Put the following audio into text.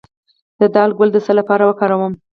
د دال ګل د څه لپاره وکاروم؟